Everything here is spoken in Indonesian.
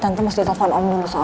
tante mau saya telfon om dulu soalnya